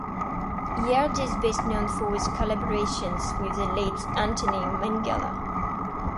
Yared is best known for his collaborations with the late Anthony Minghella.